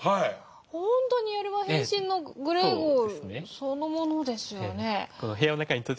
本当にあれは「変身」のグレーゴルそのものですよね。